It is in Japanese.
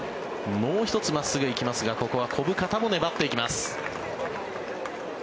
もう１つ真っすぐ行きますがここは小深田も粘っていきます。